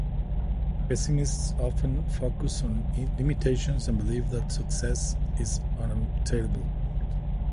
Pessimists often focus on limitations and believe that success is unattainable.